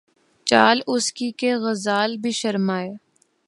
چال اس کی کہ، غزال بھی شرمائیں